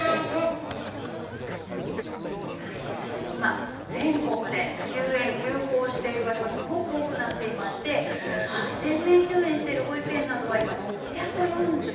今、全国で休園、休校している場所がすごく多くなっていまして、全面休園している保育園などは、今６４４。